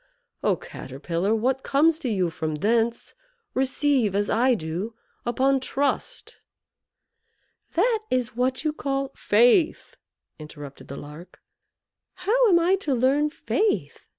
Oh, Caterpillar; what comes to you from thence, receive, as I do, upon trust." "That is what you call " "Faith," interrupted the Lark. "How am I to learn Faith?"